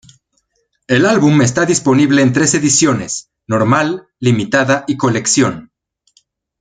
El álbum está disponible en tres ediciones: normal, limitada y colección.